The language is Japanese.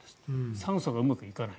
酸素がうまく行かない。